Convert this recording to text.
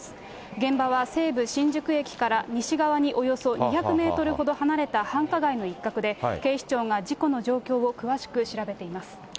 現場は西武新宿駅から西側におよそ２００メートルほど離れた繁華街の一角で、警視庁が事故の状況を詳しく調べています。